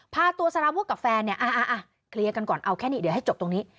พาตัวสารวุฒิกับแฟนเนี่ยเคลียร์กันก่อนเอาแค่นี้เดี๋ยวให้จบตรงนี้